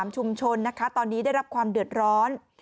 ชุมชนนะคะตอนนี้ได้รับความเดือดร้อน